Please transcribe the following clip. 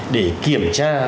để kiểm tra